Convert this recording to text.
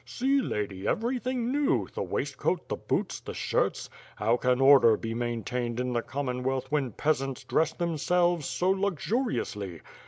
See Lady, everything new; the waistcoat, the boots, the shirts? How can order be main tained in the Commonwealth when peasants dress themselves so luxuriously?